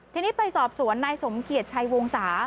ทีนี้ไปสอบสวนนายสมเกียจชัยวงศา